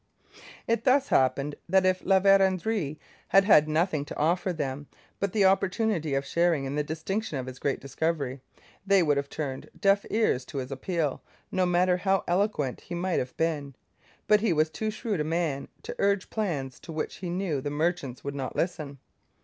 It thus happened that if La Vérendrye had had nothing to offer them but the opportunity of sharing in the distinction of his great discovery, they would have turned deaf ears to his appeal, no matter how eloquent he might have been. But he was too shrewd a man to urge plans to which he knew the merchants would not listen.